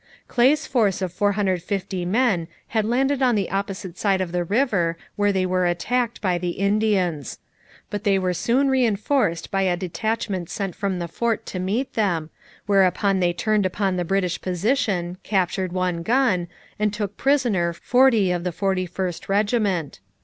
Clay's force of 450 men had landed on the opposite side of the river, where they were attacked by the Indians. But they were soon reinforced by a detachment sent from the fort to meet them, whereupon they turned upon the British position, captured one gun, and took prisoner forty of the 41st regiment.